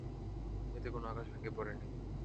এতে কোন আকাশ ভেঙ্গে পড়েনি।